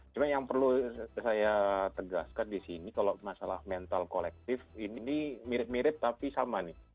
cuma yang perlu saya tegaskan di sini kalau masalah mental kolektif ini mirip mirip tapi sama nih